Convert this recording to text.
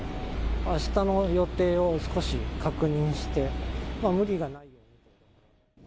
あしたの予定を確認して無理がないように。